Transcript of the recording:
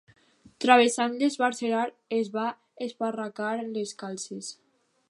Travessant l'esbarzerar es va esparracar les calces.